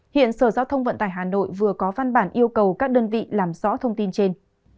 hiện sở giao thông vận tải hà nội vừa có văn bản yêu cầu các đơn vị làm rõ thông tin trên